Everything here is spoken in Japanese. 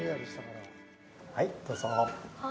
はい、どうぞ。